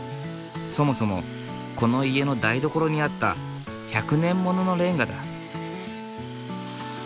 そもそもこの家の台所にあった１００年もののレンガだ。